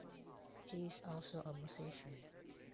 He is also a musician.